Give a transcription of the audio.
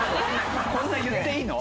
こんな言っていいの？